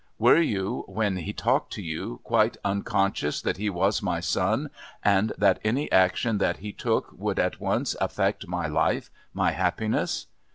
"Were you, when he talked to you, quite unconscious that he was my son, and that any action that he took would at once affect my life, my happiness?"